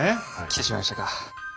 きてしまいましたか。